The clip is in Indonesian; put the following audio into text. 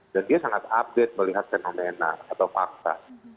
dan dia sangat update melihat fenomena atau fakta